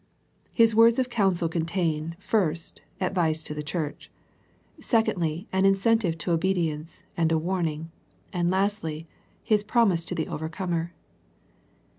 His words of counsel contain, first, advice to the church; secondly, an in The Sardis Letter 141 centive to obedience and a warning; and lastly, His promise to the overcomer.